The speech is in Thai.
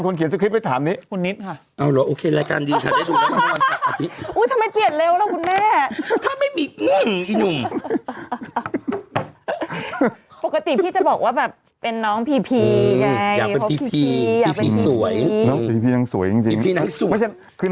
นี่พูดถึงแม่ชมขนาดนี้เลยเหรอ